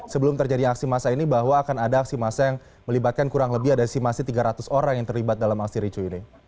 sebelum terjadi aksi massa ini bahwa akan ada aksi massa yang melibatkan kurang lebih ada simasi tiga ratus orang yang terlibat dalam aksi ricu ini